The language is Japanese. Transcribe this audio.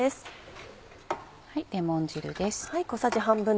レモン汁です。